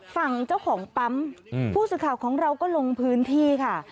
ฝั่งเจ้าของปั๊มผู้สื่อข่าวของเราก็ลงพื้นที่ค่ะ